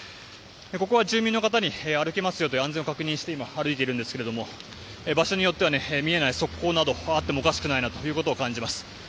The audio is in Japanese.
ここは住民の方に歩けますよと安全を確認しまして歩いているんですけれども場所によっては見えない側溝などがあってもおかしくないなと感じます。